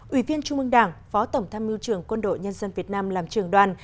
ủy viên trung ương đảng phó tổng tham mưu trưởng quân đội nhân dân việt nam làm trưởng đoàn